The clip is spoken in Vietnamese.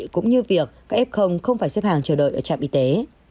cũng như việc các f không phải xếp hàng chờ đợi ở trạm y tế